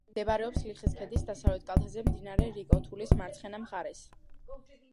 მდებარეობს ლიხის ქედის დასავლეთ კალთაზე, მდინარე რიკოთულის მარცხენა მხარეს.